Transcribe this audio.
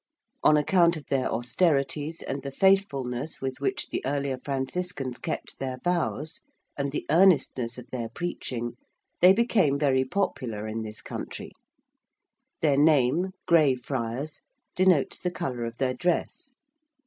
On account of their austerities and the faithfulness with which the earlier Franciscans kept their vows and the earnestness of their preaching they became very popular in this country. Their name Grey Friars denotes the colour of their dress.